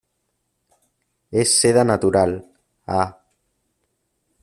es seda natural. ah .